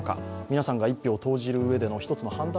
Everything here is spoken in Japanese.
皆さんが一票を投じる上での一つの判断